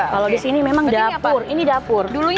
kalau di sini memang dapur